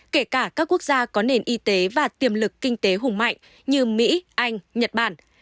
kể cả các quốc gia có nền y tế và tiềm lực kinh tế hùng mạnh như mỹ anh nhật bản